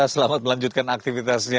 selamat melanjutkan aktivitasnya